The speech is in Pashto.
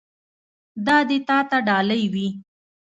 دا دې تا ته ډالۍ وي.